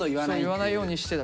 言わないようにしてた。